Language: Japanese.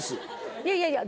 いやいや。